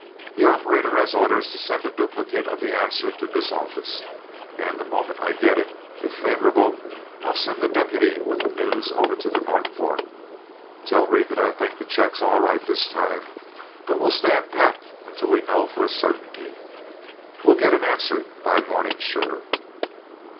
"The operator has orders to send a duplicate of the answer to this office, and the moment I get it, if favorable, I'll send a deputy with the news over to the North Fork. Tell Reed that I think the check's all right this time, but we'll stand pat until we know for a certainty. We'll get an answer by morning sure."